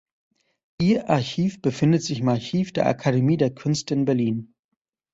Ihr Archiv befindet sich im Archiv der Akademie der Künste in Berlin.